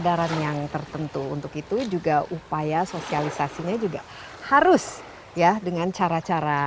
adaran yang tertentu untuk itu juga upaya sosialisasinya juga harus ya dengan cara cara